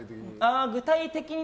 具体的に。